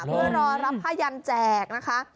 เพื่อรอรับผ้ายันแจกนะคะ